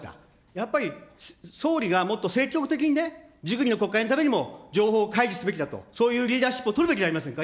やっぱり総理がもっと積極的にね、熟議の国会のためにも情報を開示すべきだと、そういうリーダーシップを取るべきじゃありませんか。